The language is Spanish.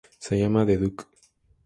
Se le llama The Duke.